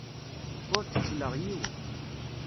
Ur ttettleɣ yiwen.